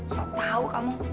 soal tau kamu